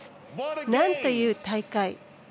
なんという大会。